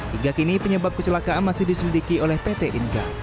hingga kini penyebab kecelakaan masih diselidiki oleh pt inga